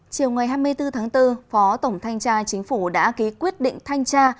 chiều ngày hai mươi bốn tháng bốn phó tổng thanh tra chính phủ đã ký quyết định thanh tra